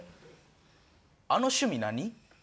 あの趣味何？